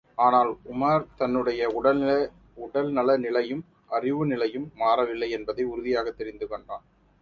ஆனால், உமார் தன்னுடைய உடல் நல நிலையும், அறிவு நிலையும் மாறவில்லை என்பதை உறுதியாகத் தெரிந்து காண்டான்.